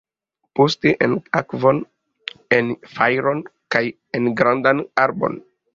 Poste en akvon, en fajron kaj en grandan arbon.